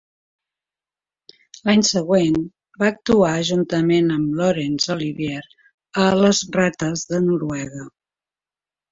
L'any següent, va actuar juntament amb Laurence Olivier a "Les rates de Noruega".